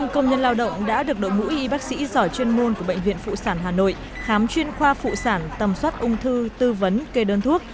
một trăm linh công nhân lao động đã được đội ngũ y bác sĩ giỏi chuyên môn của bệnh viện phụ sản hà nội khám chuyên khoa phụ sản tầm soát ung thư tư vấn kê đơn thuốc